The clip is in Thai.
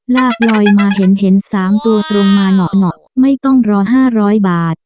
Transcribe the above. ลากลอยมาเห็น๓ตัวตรงมาเหนาะไม่ต้องรอ๕๐๐บาท